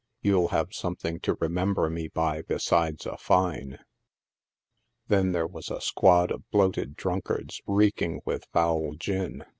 You'll have something to remember me by besides a fine.'' Then there was a squad of bloated drank ards reeking with foul gin.